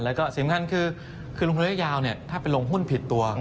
และสิมคันคือคือลงทุนระยะยาวถ้าเป็นลงหุ้นผิดตัว